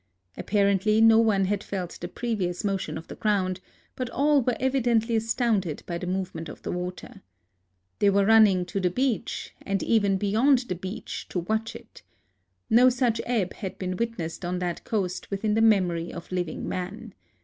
Apparently no one had felt the previous motion of the ground, but all were evidently astounded by the move ment of the water. They were running to the beach, and even beyond the beach, to watch it. No such ebb had been witnessed on that coast within the memory of living man.